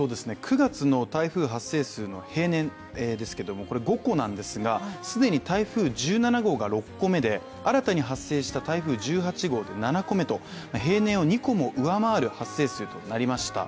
９月の台風発生数の平年ですが、５個なんですが既に台風１７号が６個目で新たに発生した台風１８号が７個目と平年を２個も上回る発生数となりました。